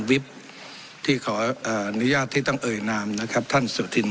วิบที่ขออนุญาตที่ต้องเอ่ยนามนะครับท่านสุธิน